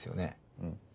うん。